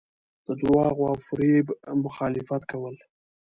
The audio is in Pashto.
د درواغو او فریب مخالفت کول.